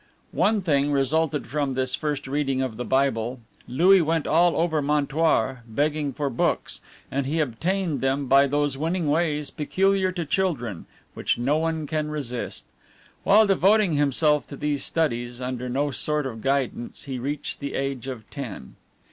One thing resulted from this first reading of the Bible: Louis went all over Montoire begging for books, and he obtained them by those winning ways peculiar to children, which no one can resist. While devoting himself to these studies under no sort of guidance, he reached the age of ten.